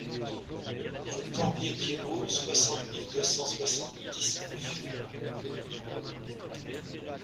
Rue Corbier Thiébaut, soixante mille deux cent soixante-dix Gouvieux